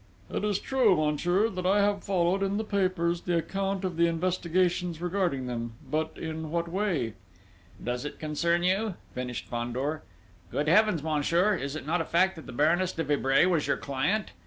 "It is true, monsieur, that I have followed, in the papers, the account of the investigations regarding them: but, in what way?..." "Does it concern you?" finished Fandor. "Good heavens, monsieur, is it not a fact that the Baroness de Vibray was your client?